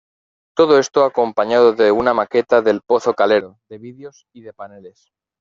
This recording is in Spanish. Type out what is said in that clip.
Todo esto acompañado de una maqueta del "Pozo Calero", de vídeos y de paneles.